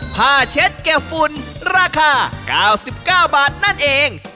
เช็ดเก็บฝุ่นราคา๙๙บาทนั่นเอง